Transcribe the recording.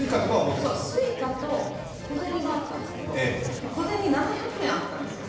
Ｓｕｉｃａと小銭があったんですけど、小銭、７００円あったんですよ。